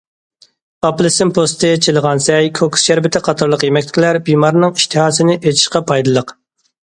« ئاپېلسىن پوستى، چىلىغان سەي، كوكۇس شەربىتى قاتارلىق يېمەكلىكلەر بىمارنىڭ ئىشتىھاسىنى ئېچىشقا پايدىلىق».